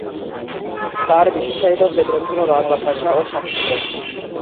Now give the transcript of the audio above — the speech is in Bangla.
তাঁর বিশেষায়িত ক্ষেত্র ছিল বাংলা ভাষা ও সাহিত্য।